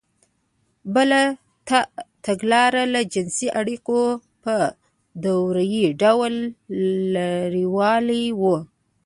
بله تګلاره له جنسـي اړیکو په دورهیي ډول لرېوالی و.